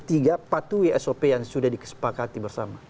tiga patuhi sop yang sudah disepakati bersama